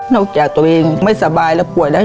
จากตัวเองไม่สบายแล้วป่วยแล้ว